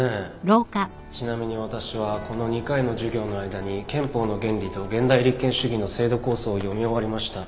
ちなみに私はこの２回の授業の間に『憲法の原理』と『現代立憲主義の制度構想』を読み終わりました。